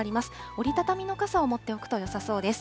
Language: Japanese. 折り畳みの傘を持っておくとよさそうです。